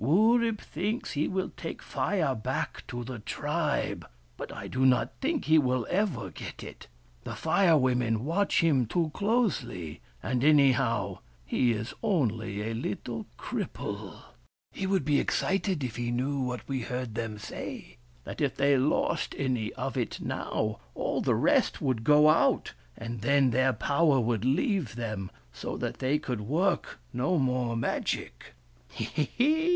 " Wurip thinks he will take Fire back to the tribe. But I do not think he will ever get it. The Fire Women watch him too closely — and anyhow, he is only a little cripple." " He would be excited if he knew what we heard them say — that if they lost any of it now, all the rest would go out, and then their power would leave VVURIP, THE FIRE BRINGER 249 them, so that they could work no more Magic." " He he he